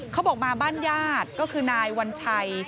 เขาบอกมาบ้านญาติก็คือนายวัญชัย